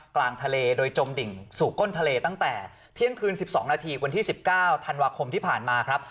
กลางทะเลโดยจมดิ่งสู่ก้นทะเลตั้งแต่เที่ยงคืน๑๒นาทีวันที่๑๙ธันวาคมที่ผ่านมาครับ